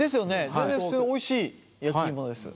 全然普通においしい焼き芋です。